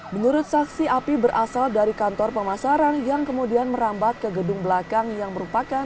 menurut saksi api berasal dari kantor pemasaran yang kemudian merambat ke gedung belakang yang merupakan